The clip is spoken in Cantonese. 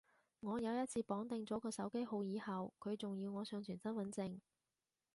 我有一次綁定咗個手機號以後，佢仲要我上傳身份證